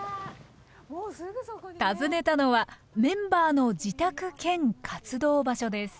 訪ねたのはメンバーの自宅兼活動場所です